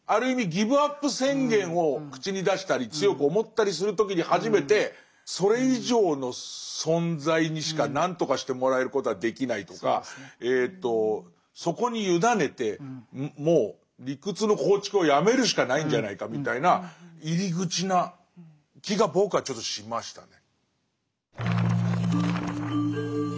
ギブアップ宣言を口に出したり強く思ったりする時に初めてそれ以上の存在にしか何とかしてもらえることはできないとかそこに委ねてもう理屈の構築をやめるしかないんじゃないかみたいな入り口な気が僕はちょっとしましたね。